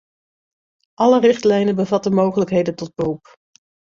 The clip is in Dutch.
Alle richtlijnen bevatten mogelijkheden tot beroep.